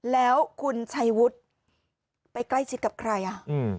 แล้วคุณชัยวุฒิไปใกล้ชิดกับใครอ่ะอืม